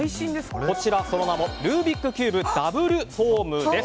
その名も、ルービックキューブダブルフォームです。